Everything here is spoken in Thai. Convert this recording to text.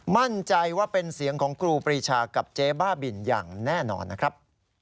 มั่นใจว่าเป็นเสียงของครูปรีชากับเจ๊บ้าบินอย่างแน่นอนนะครับ